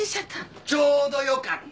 ちょうどよかった！